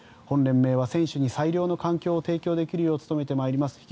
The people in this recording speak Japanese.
本連盟は選手に最良の環境を提供できるよう努めてまいります